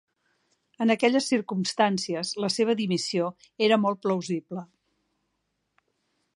En aquelles circumstàncies, la seva dimissió era molt plausible.